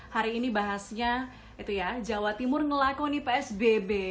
hari ini bahasnya jawa timur ngelakoni psbb